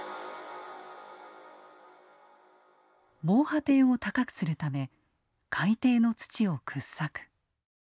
防波堤を高くするため海底の土を掘削。